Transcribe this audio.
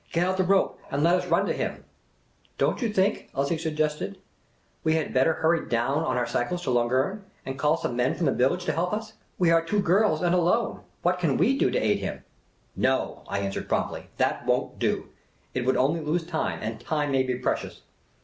" Get out the rope and let us run to him !"" Don't you think," Elsie suggested, " we had better hurry down on our cycles to Lungern and call some men from the village to help us ? We are two girls, and alone. What can we do to aid him ?"" No," I answered, promptly, " that won't do. It would only lose time — and time may be precious.